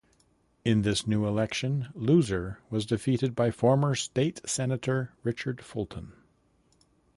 In this new election, Loser was defeated by former state senator Richard Fulton.